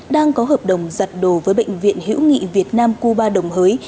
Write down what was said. đang có hợp đồng giặt đồ với bệnh viện hữu nghị việt nam cuba đồng hới